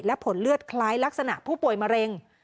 และผลเลือดคล้ายลักษณะผู้ป่วยมะเร็ง